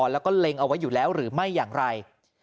แล้วก็เล็งเอาไว้อยู่แล้วหรือไม่อย่างไร